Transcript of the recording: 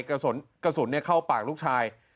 กระสุนเข้าปากลูกชาย